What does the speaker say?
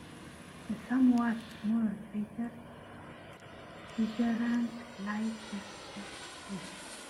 The somewhat smaller crater Tisserand lies just to the east.